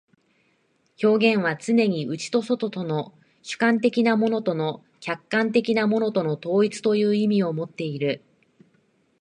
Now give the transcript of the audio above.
表現はつねに内と外との、主観的なものと客観的なものとの統一という意味をもっている。